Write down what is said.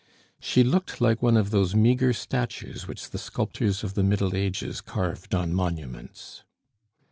She looked like one of those meagre statues which the sculptors of the Middle Ages carved on monuments.